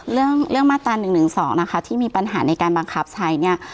เรื่องมาตรา๑๑๒นะคะที่มีปัญหาในการบังคับใช้เนี่ย